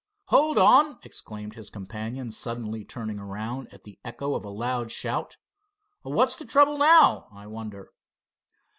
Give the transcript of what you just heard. "Hold on!" exclaimed his companion, suddenly turning around at the echo of a loud shout. "What's the trouble now, I wonder?"